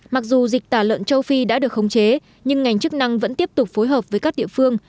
mặc dù dịch tả lợn châu phi đã được khống chế nhưng ngành chức năng vẫn tiếp tục phối hợp với các địa phương